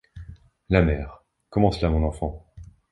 la mère. — Comment cela, mon enfant?